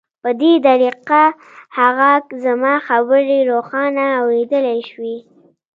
په دې طریقه هغه زما خبرې روښانه اورېدلای شوې